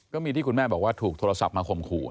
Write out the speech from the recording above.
ก็มีที่คุณแม่บอกว่าถูกโทรศัพท์มาข่มขู่